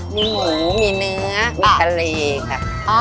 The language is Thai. มีหมูมีเนื้อมีกะเลค่ะ